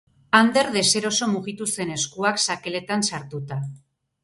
Ander deseroso mugitu zen, eskuak sakeletan sartuta.